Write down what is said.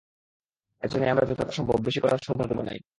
এজন্যই আমরা যতটা সম্ভব, বেশি করে সৌভাগ্য বানাই।